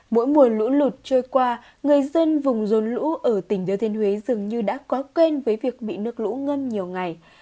mỗi mùa lũ lụt trôi qua người dân vùng rốn lũ ở tỉnh thừa thiên huế dường như đã có quen với việc bị nước lũ ngâm nhiều ngày